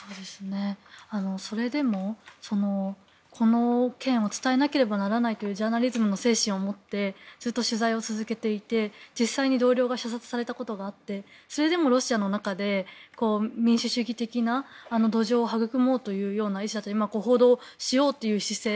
それでもこの件を伝えなければならないというジャーナリズムの精神を持ってずっと取材を続けていて実際に同僚が射殺されたことがあってそれでもロシアの中で民主主義的な土壌をはぐくもうというような意思報道しようという姿勢